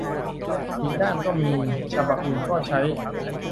อีกด้านก็มี ฉบับอื่นก็ใช้